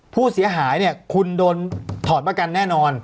ผู้เสียหายเนี่ยคุณโดนถอดประกันแน่นอน